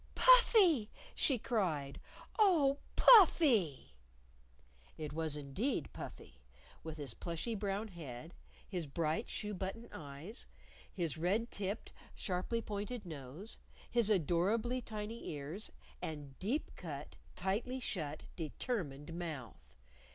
"Puffy!" she cried. "Oh, Puffy!" It was indeed Puffy, with his plushy brown head, his bright, shoe button eyes, his red tipped, sharply pointed nose, his adorably tiny ears, and deep cut, tightly shut, determined mouth.